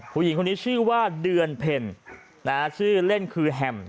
ผู้หญิงคนนี้ชื่อว่าเดือนเพ็ญชื่อเล่นคือแฮม